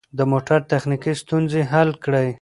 د موټر تخنیکي ستونزې حل کړئ.